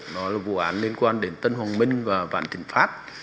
đó là vụ án liên quan đến tân hoàng minh và vạn thịnh pháp